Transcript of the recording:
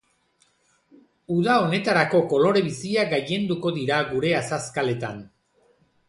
Uda honetarako kolore biziak gailenduko dira gure azazkaletan.